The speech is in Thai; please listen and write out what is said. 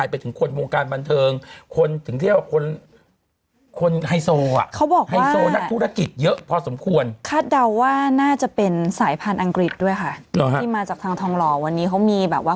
อังกฤษด้วยค่ะที่มาจากทางทองหล่อวันนี้เขามีแบบว่า